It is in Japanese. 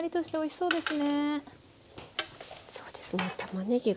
そうですね。